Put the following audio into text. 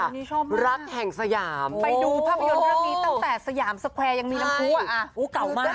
อันนี้ชอบมากรักแห่งสยามไปดูภาพยนตร์เรื่องนี้ตั้งแต่ยังมีลำคั่วอ่ะอู๋เก่ามาก